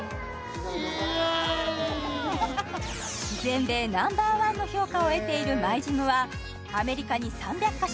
全米ナンバーワンの評価を得ているＭｙＧｙｍはアメリカに３００か所